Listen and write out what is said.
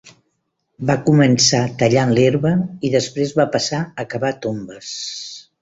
Va començar tallant l'herba i després va passar a cavar tombes.